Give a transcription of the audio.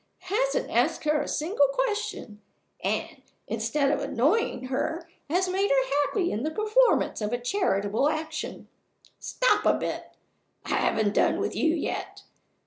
hasn't asked her a single question, and, instead of annoying her, has made her happy in the performance of a charitable action. Stop a bit! I haven't done with you yet.